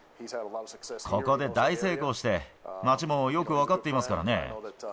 ここで大成功して、町もよく分かっていますからね。